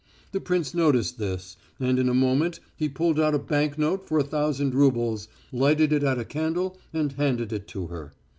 The prince noticed this, and in a moment he pulled out a bank note for a thousand roubles, lighted it at a candle and handed it to her.